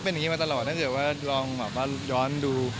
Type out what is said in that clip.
เป็นอย่างนี้มาตลอดถ้าเกิดว่าลองแบบว่าย้อนดู